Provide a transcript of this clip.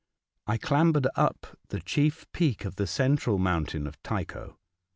I clambered up the chief peak of the central mountain of Tycho.